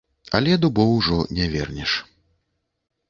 Але дубоў ужо не вернеш.